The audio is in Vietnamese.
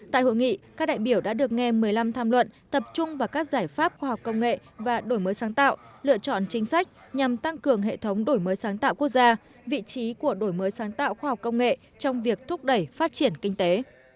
tại hội nghị các đại biểu đã được nghe một mươi năm tham luận tập trung vào các giải pháp khoa học công nghệ và đổi mới sáng tạo lựa chọn chính sách nhằm tăng cường hệ thống đổi mới sáng tạo quốc gia vị trí của đổi mới sáng tạo khoa học công nghệ trong việc thúc đẩy phát triển kinh tế